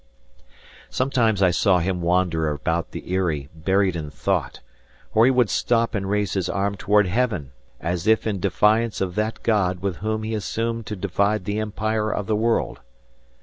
Sometimes I saw him wander about the Eyrie buried in thought, or he would stop and raise his arm toward heaven as if in defiance of that God with Whom he assumed to divide the empire of the world.